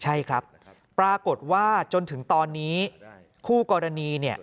ใช่ครับปรากฏว่าจนถึงตอนนี้คู่กรณีเนี่ย